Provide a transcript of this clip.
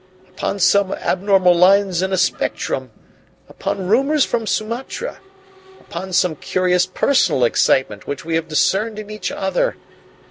Upon some abnormal lines in a spectrum upon rumours from Sumatra upon some curious personal excitement which we have discerned in each other.